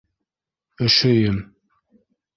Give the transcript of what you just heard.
Өшөйөм...